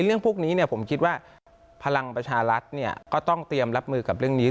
เรื่องพวกนี้ผมคิดว่าพลังประชารัฐก็ต้องเตรียมรับมือกับเรื่องนี้